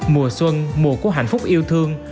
mùa xuân mùa của hạnh phúc yêu thương